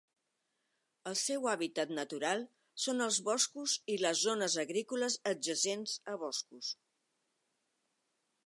El seu hàbitat natural són els boscos i les zones agrícoles adjacents a boscos.